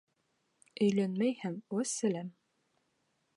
Өйләнмәй һәм вәссәләм.